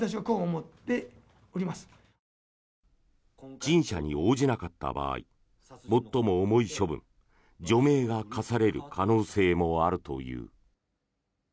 陳謝に応じなかった場合最も重い処分除名が科される可能性もあるという。